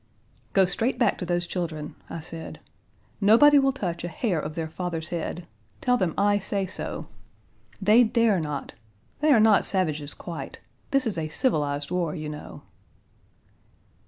"Go straight back to those children," I said. "Nobody will touch a hair of their father's head. Tell them I say so. They dare not. They are not savages quite. This is a civilized war, you know."